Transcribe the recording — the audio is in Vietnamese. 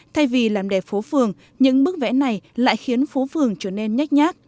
thay vì làm đẹp phố phường những bức vẽ này lại khiến phố phường trở nên nhét nhát